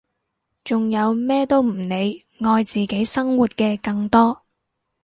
仲有咩都唔理愛自己生活嘅更多！